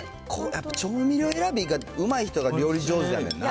やっぱ調味料選びがうまい人が料理上手やねんな。